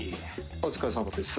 お疲れさまです。